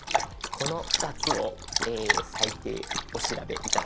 この２つを最低お調べ頂きたい。